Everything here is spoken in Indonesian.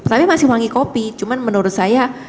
tapi masih wangi kopi cuma menurut saya